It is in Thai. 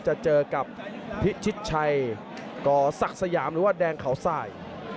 จะเจอกับพิชิตชัยกศักดิ์สยามหรือว่าแดงเขาสาย